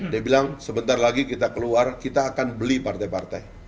dia bilang sebentar lagi kita keluar kita akan beli partai partai